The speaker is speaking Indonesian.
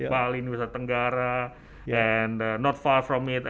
bali nusa tenggara dan tidak jauh dari itu